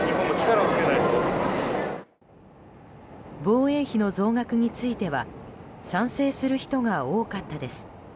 防衛費の増額については賛成する人が多かったです。